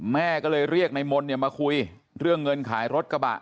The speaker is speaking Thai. แม่ก็เลยเรียกในมนต์มาคุยเรื่องเงินขายรถกระบะ